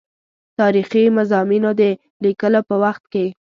تاریخي مضامینو د لیکلو په وخت کې.